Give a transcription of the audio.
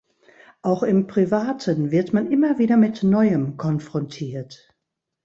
Auch im Privaten wird man immer wieder mit Neuem konfrontiert.